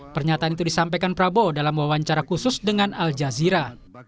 pernyataan itu disampaikan prabowo dalam wawancara khusus dengan al jazeera